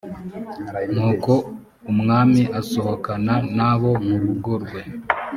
nuko umwami asohokana n abo mu rugo rwe